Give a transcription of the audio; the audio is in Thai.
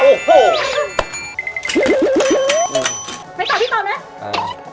ไม่ตอบที่ตอบนะ